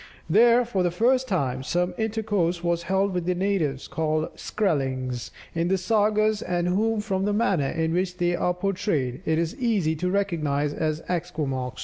There, for the first time, some intercourse was held with the natives, called Skrellings in the sagas, and whom, from the manner in which they are portrayed, it is easy to recognize as Esquimaux.